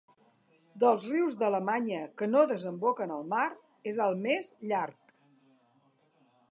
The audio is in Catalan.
Dels rius d'Alemanya que no desemboquen al mar, és el més llarg.